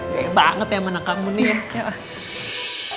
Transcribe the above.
gaya banget ya sama anak kamu nih